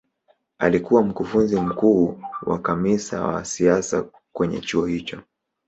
alikuwa mkufunzi mkuu na kamisaa wa siasa kwenye chuo hicho